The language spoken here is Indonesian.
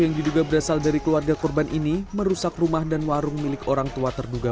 yang diduga berasal dari keluarga korban ini merusak rumah dan warung milik orang tua terduga